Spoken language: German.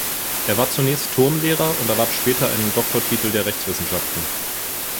Er war zunächst Turnlehrer und erwarb später einen Doktortitel der Rechtswissenschaften.